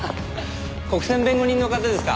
国選弁護人の方ですか？